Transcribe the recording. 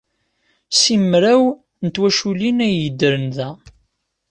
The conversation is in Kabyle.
Simraw n twaculin ay yeddren da.